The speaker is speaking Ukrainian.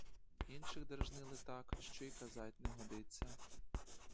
Інших дражнили так, що й казать не годиться.